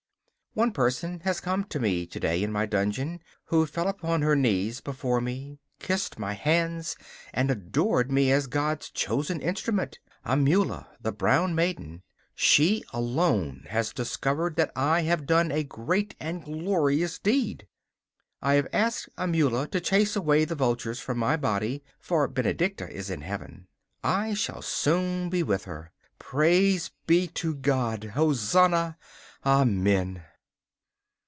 One person has come to me to day in my dungeon, who fell upon her knees before me, kissed my hands and adored me as God's chosen instrument Amula, the brown maiden. She alone has discovered that I have done a great and glorious deed. I have asked Amula to chase away the vultures from my body, for Benedicta is in Heaven. I shall soon be with her. Praise be to God! Hosanna! Amen.